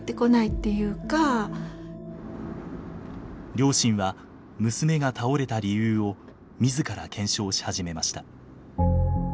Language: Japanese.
両親は娘が倒れた理由を自ら検証し始めました。